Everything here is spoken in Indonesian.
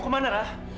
ratu tunggu rah